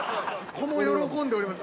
◆子も喜んでおります。